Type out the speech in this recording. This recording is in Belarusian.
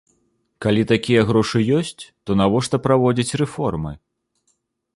Калі такія грошы ёсць, то навошта праводзіць рэформы?